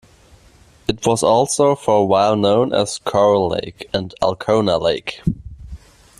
It was also for a while known as "Coral Lake" and "Alcona Lake".